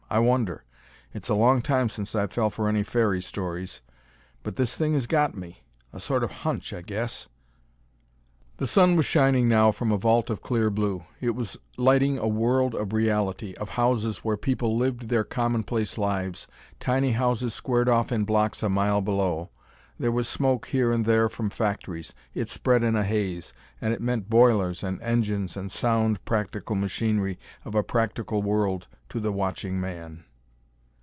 I wonder. It's a long time since I fell for any fairy stories. But this thing has got me. A sort of hunch, I guess." The sun was shining now from a vault of clear blue. It was lighting a world of reality, of houses where people lived their commonplace lives, tiny houses squared off in blocks a mile below. There was smoke here and there from factories; it spread in a haze, and it meant boilers and engines and sound practical machinery of a practical world to the watching man.